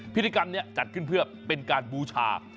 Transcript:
พิธีกรรมนี้จัดขึ้นเพื่อเป็นการบูชา